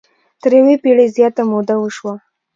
تر یوې پېړۍ زیاته موده وشوه.